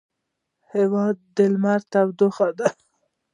هېواد د لمر تودوخه ده.